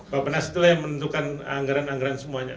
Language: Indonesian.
bapenas itu yang menentukan anggaran anggaran semuanya